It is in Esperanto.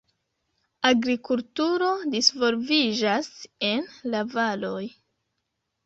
Agrikulturo disvolviĝas en la valoj.